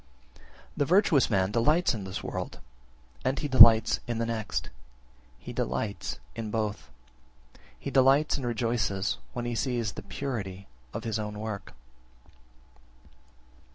16. The virtuous man delights in this world, and he delights in the next; he delights in both. He delights and rejoices, when he sees the purity of his own work.